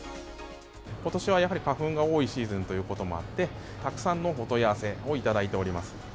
ことしはやはり花粉が多いシーズンということもあって、たくさんのお問い合わせをいただいております。